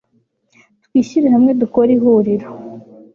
twishyire hamwe dukore ihuliro